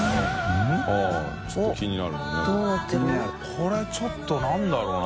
これちょっとなんだろうな？